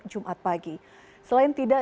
jumat pagi selain tidak